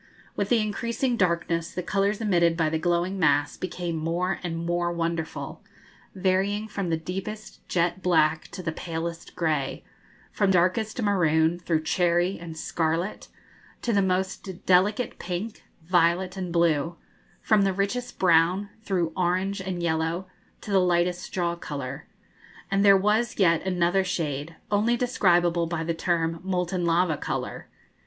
With the increasing darkness the colours emitted by the glowing mass became more and more wonderful, varying from the deepest jet black to the palest grey, from darkest maroon, through cherry and scarlet, to the most delicate pink, violet, and blue; from the richest brown, through orange and yellow, to the lightest straw colour. And there was yet another shade, only describable by the term 'molten lava colour.'